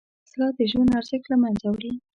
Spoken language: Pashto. وسله د ژوند ارزښت له منځه وړي